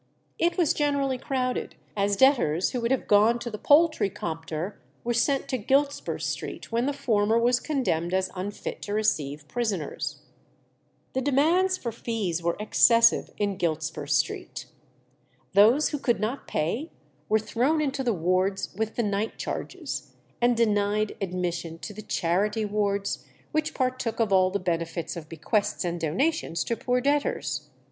It was generally crowded, as debtors who would have gone to the Poultry Compter were sent to Giltspur Street when the former was condemned as unfit to receive prisoners. The demands for fees were excessive in Giltspur Street. Those who could not pay were thrown into the wards with the night charges, and denied admission to the "charity wards," which partook of all the benefits of bequests and donations to poor debtors.